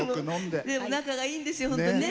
でも仲がいいんですよね。